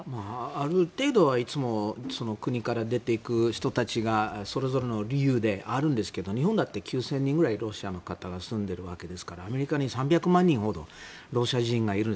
ある程度は国から出ている人たちがそれぞれの理由であるんですけど日本だって９０００人くらいロシアの方が住んでるわけですからアメリカに３００万人ほどロシア人がいる。